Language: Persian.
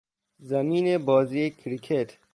زمین بازی کریکت